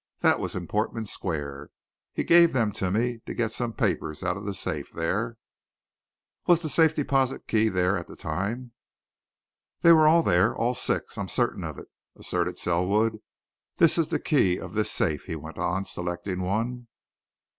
That was in Portman Square. He gave them to me to get some papers out of the safe there." "Was that Safe Deposit key there at that time?" "They were all there all six. I'm certain of it," asserted Selwood. "This is the key of this safe," he went on, selecting one.